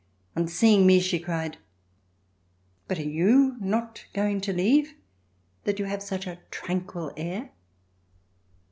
On seeing me she cried: "But are you not going to leave, that you have such a tranquil air.?"